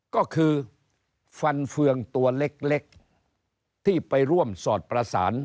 ก็คือฟันเฟืองตัวเล็กที่ไปร่วมสอดประสาน